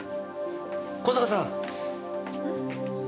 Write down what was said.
小坂さん。